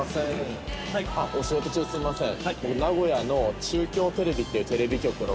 あっお仕事中すいません。